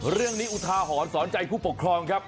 เรื่องนี้อุทาหอนสอนใจผู้ปกครองครับ